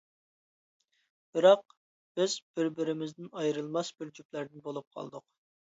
بىراق، بىز بىر-بىرىمىزدىن ئايرىلماس بىر جۈپلەردىن بولۇپ قالدۇق.